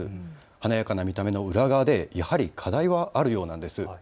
華やかな見た目の裏側でやはり課題はあるようなんです。